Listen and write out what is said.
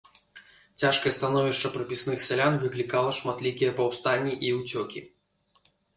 Цяжкае становішча прыпісных сялян выклікала шматлікія паўстанні і ўцёкі.